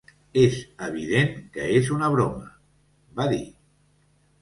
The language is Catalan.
És evident que és una broma, va dir.